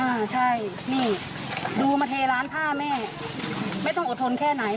อ่าใช่นี่ดูมาเทร้านผ้าแม่ไม่ต้องอดทนแค่ไหน